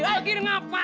lagi dengan apa